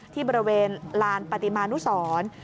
ที่บริเวณลานปฏิมานุสร